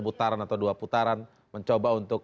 putaran atau dua putaran mencoba untuk